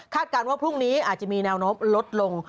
การว่าพรุ่งนี้อาจจะมีแนวโน้มลดลง